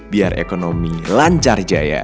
biar ekonomi lancar jaya